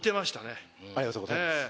ありがとうございます。